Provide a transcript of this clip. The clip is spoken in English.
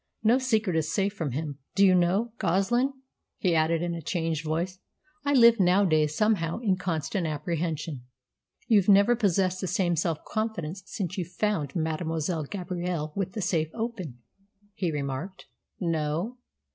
No secret is safe from him. Do you know, Goslin," he added, in a changed voice, "I live nowadays somehow in constant apprehension." "You've never possessed the same self confidence since you found Mademoiselle Gabrielle with the safe open," he remarked. "No.